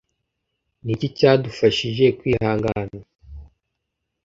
Ni iki cyadufashije kwihangana